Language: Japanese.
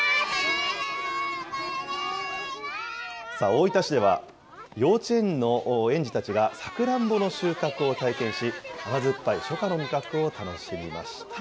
大分市では、幼稚園の園児たちがさくらんぼの収穫を体験し、甘酸っぱい初夏の味覚を楽しみました。